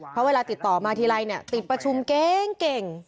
เพราะเวลาติดต่อมาทีไรเนี่ยติดประชุมเก่ง